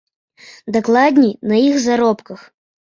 Дакладней, на іх заробках.